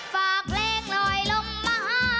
ฝากแรงนอยลมมหา